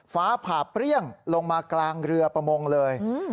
ฟ้าผ่าเปรี้ยงลงมากลางเรือประมงเลย